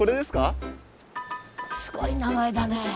すごい名前だね。